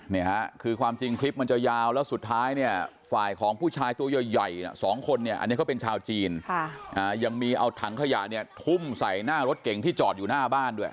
นี่ฮะคือความจริงคลิปมันจะยาวแล้วสุดท้ายเนี่ยฝ่ายของผู้ชายตัวใหญ่สองคนเนี่ยอันนี้เขาเป็นชาวจีนยังมีเอาถังขยะเนี่ยทุ่มใส่หน้ารถเก่งที่จอดอยู่หน้าบ้านด้วย